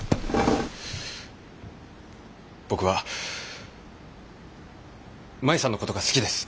僕は舞さんのことが好きです。